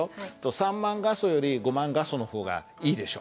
３万画素より５万画素の方がいいでしょ。